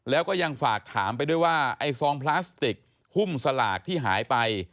แล้วก็ยังฝากถามไปด้วยว่าไอ้ซองพลาสติกหุ้มสลากที่หายไป